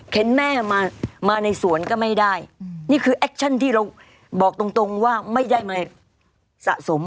เห็นแม่มามาในสวนก็ไม่ได้นี่คือแอคชั่นที่เราบอกตรงตรงว่าไม่ได้มาสะสม